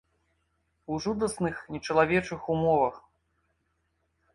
У жудасных нечалавечых умовах.